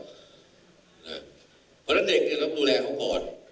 เพราะฉะนั้นเด็กเนี่ยเราต้องดูแลเขาก่อน